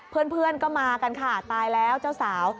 เพื่อนก็มากันค่ะตายแล้วเจ้าสาว